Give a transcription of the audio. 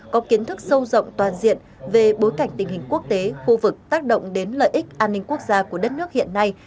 có kiến thức sâu rộng toàn diện về bối cảnh tình hình quốc tế khu vực tác động đến lợi ích an ninh quốc gia của đất nước hiện nay